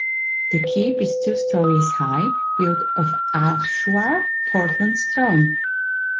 The keep is two storeys high, built of ashlar Portland stone.